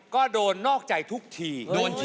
ก็โดนนอกใจทุกที